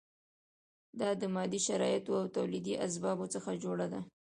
دا د مادي شرایطو او تولیدي اسبابو څخه جوړه ده.